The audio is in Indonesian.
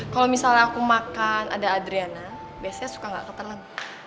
kalo misalnya aku makan ada adriana biasanya suka gak ketelan